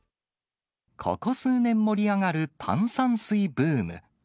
ここ数年、盛り上がる炭酸水ブーム。